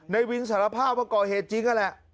ในวินสารภาพว่าเผาเหตุจริงอะแหละ